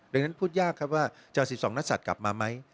ดังนั้นพูดยากครับว่าจะเอา๑๒นักศัตริย์กลับมาไหม